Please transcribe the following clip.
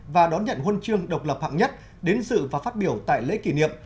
và đón nhận huân chương độc lập hạng nhất đến dự và phát biểu tại lễ kỷ niệm